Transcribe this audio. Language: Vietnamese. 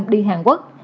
đi hàn quốc